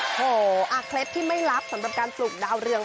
โหเคล็ดที่ไม่ลับสำหรับการปลูกดาวเรือง